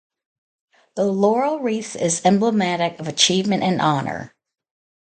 The laurel wreaths is emblematic of achievement and honor.